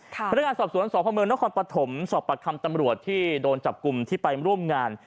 พนักงานสอบสวนสพเมืองนครปฐมสอบประคำตำรวจที่โดนจับกลุ่มที่ไปร่วมงาน